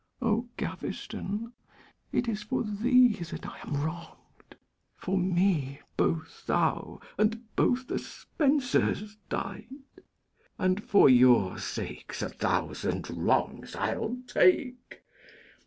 O Gaveston, it is for thee that I am wrong'd! For me both thou and both the Spensers died; And for your sakes a thousand wrongs I'll take.